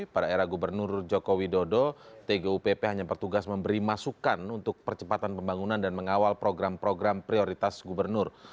pada era gubernur jokowi dodo tgupp hanya bertugas memberi masukan untuk percepatan pembangunan dan mengawal program program prioritas gubernur